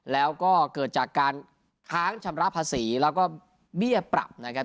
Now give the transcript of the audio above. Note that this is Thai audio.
แล้วก็เกิดจากการค้างชำระภาษีแล้วก็เบี้ยปรับนะครับ